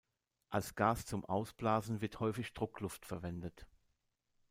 Als Gas zum Ausblasen wird häufig Druckluft verwendet.